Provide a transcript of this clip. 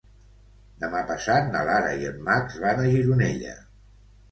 Demà passat na Lara i en Max van a Gironella.